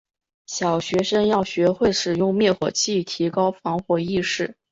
小学生要学会使用灭火器，提高防火意识。